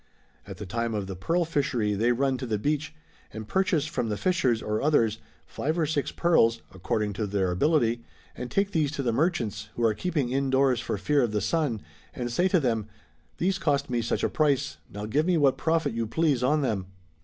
At the time of the pearl fishery they run to the beach and purchase, from the fishers or others, five or six [)earls, according to their Chap. XVII. THE PROVINCE OF MAABAR. 281 ability, and take these to the merchants, who are keeping indoors for fear of the sun, and say to them :" These cost me such a price ; now give me what profit you please on them."